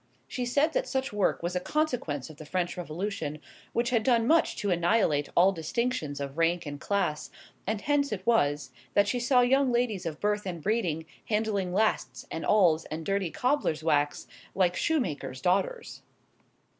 She said that such work was a consequence of the French Revolution, which had done much to annihilate all distinctions of rank and class, and hence it was, that she saw young ladies of birth and breeding handling lasts, and awls, and dirty cobblers' wax, like shoe makers' daughters.